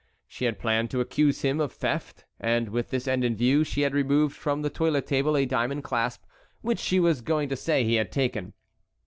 She had planned to accuse him of theft, and with this end in view she had removed from the toilet table a diamond clasp which she was going to say he had taken.